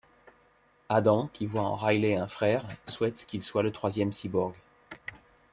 Adam, qui voit en Riley un frère, souhaite qu'il soit le troisième cyborg.